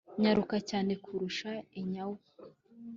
nyaruka cyane kurusha inyawu